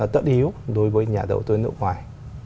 tất yếu đối với nhà đầu tư nước ngoài